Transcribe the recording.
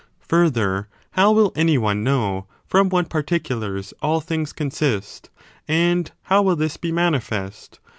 Further, how will any one know from what particulars all things consist, and how will this be manifest?